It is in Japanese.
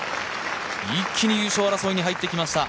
一気に優勝争いに入ってきました。